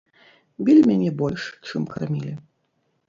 Білі мяне больш, чым кармілі.